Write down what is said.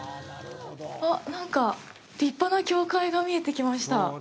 なんか立派な教会が見えてきました。